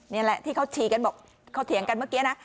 นี่แหละที่เขาชี้กันบอกเขาเถียงกันเมื่อกี้นะ